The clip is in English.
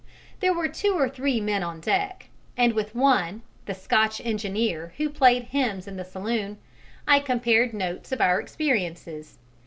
There were two or three men on deck, and with one the Scotch engineer who played hymns in the saloon I compared notes of our experiences.